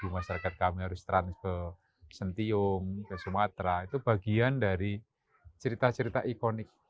dua puluh tujuh masyarakat kami harus trans ke sentium ke sumatera itu bagian dari cerita cerita ikonik